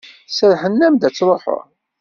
Serrḥen-am-d ad d-truḥeḍ.